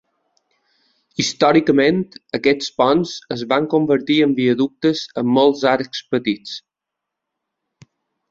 Històricament, aquests ponts es van convertir en viaductes amb molts arcs petits.